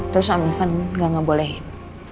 terus om irfan gak ngebolehin